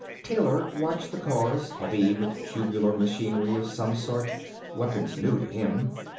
Taylor watched the cars, heavy with tubular machinery of some sort, weapons new to him.